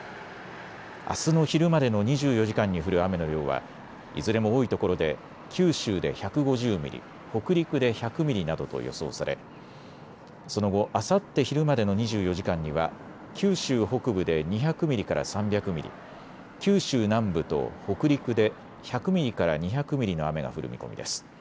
あすの昼までの２４時間に降る雨の量はいずれも多いところで九州で１５０ミリ、北陸で１００ミリなどと予想されその後、あさって昼までの２４時間には九州北部で２００ミリから３００ミリ、九州南部と北陸で１００ミリから２００ミリの雨が降る見込みです。